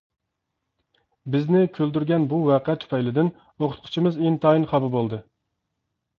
بىزنى كۈلدۈرگەن بۇ ۋەقە تۈپەيلىدىن ئوقۇتقۇچىمىز ئىنتايىن خاپا بولدى.